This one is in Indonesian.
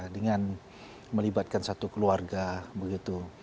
dengan melibatkan satu keluarga begitu